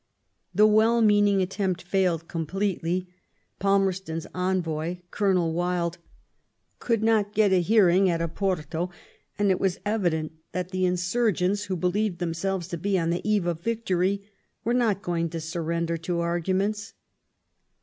The well meaning attempt failed completely. Palmerston's envoy, Colonel Wylde, could not get a hearing at Oporto, and it was evident that the insur gents, who believed themselves to be on the eve of victory, were not going to surrender to arguments.